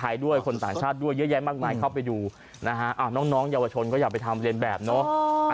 ้าวน้องใหญ่วชนก็อยากไปทำเลนแบบเนาะ